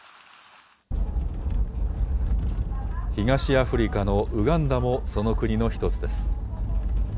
東アフリカのウガンダもその国の１つです。